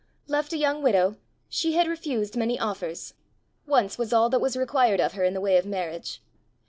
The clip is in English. Left a young widow, she had refused many offers: once was all that was required of her in the way of marriage!